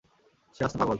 সে আস্ত পাগল!